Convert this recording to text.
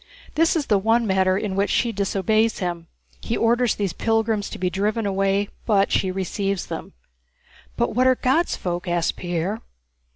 This is the one matter in which she disobeys him. He orders these pilgrims to be driven away, but she receives them." "But what are 'God's folk'?" asked Pierre.